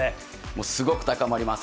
もうすごく高まります。